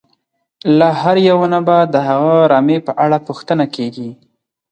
له هر یوه نه به د هغه رمې په اړه پوښتنه کېږي.